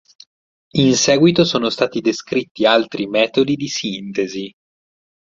In seguito sono stati descritti altri metodi di sintesi.